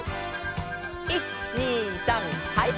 １２３はい！